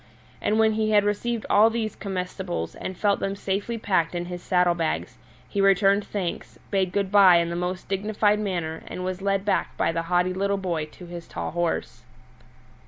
And when he had received all these comestibles and felt them safely packed in his saddle bags, he returned thanks, bade good bye in the most dignified manner, and was led back by the haughty little boy to his tall horse.